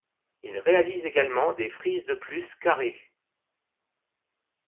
Il réalise également des frises de plus carrés.